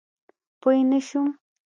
پوی نه شوم.